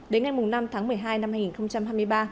đến ngày năm tháng một mươi hai năm hai nghìn một mươi chín